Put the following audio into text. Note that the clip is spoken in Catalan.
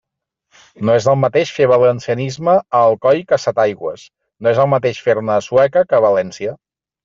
No és el mateix fer valencianisme a Alcoi que a Setaigües, no és el mateix fer-ne a Sueca que a València.